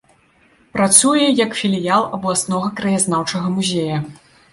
Працуе як філіял абласнога краязнаўчага музея.